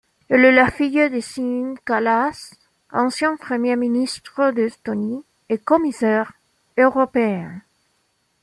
Elle est la fille de Siim Kallas, ancien Premier ministre d'Estonie et commissaire européen.